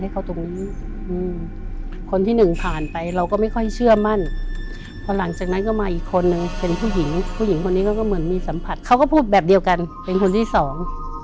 ตรงนี้อืมคนที่หนึ่งผ่านไปเราก็ไม่ค่อยเชื่อมั่นพอหลังจากนั้นก็มาอีกคนนึงเป็นผู้หญิงผู้หญิงคนนี้ก็เหมือนมีสัมผัสเขาก็พูดแบบเดียวกันเป็นคนที่สอง